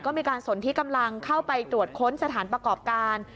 ก็มีการสนที่กำลังเข้าไปตรวจค้นสถานประกอบการ